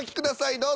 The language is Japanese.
どうぞ。